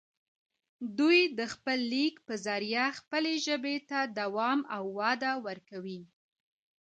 دوي دَ خپل ليک پۀ زريعه خپلې ژبې ته دوام او وده ورکوي